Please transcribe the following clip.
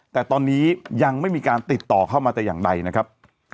แต่ตอนนี้ยังไม่มีการติดต่อเข้ามาแต่อย่างใดนะครับ